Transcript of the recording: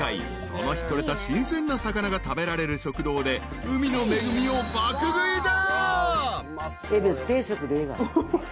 その日取れた新鮮な魚が食べられる食堂で海の恵みを爆食いだ］